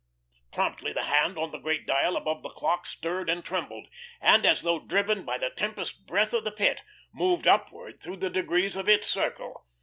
Promptly the hand on the great dial above the clock stirred and trembled, and as though driven by the tempest breath of the Pit moved upward through the degrees of its circle.